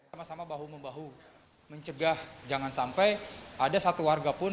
sama sama bahu membahu mencegah jangan sampai ada satu warga pun